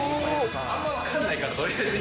あんまよく分からないから。